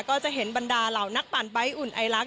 ก็จะเห็นบรรดาเหล่านักปั่นใบ้อุ่นไอลักษ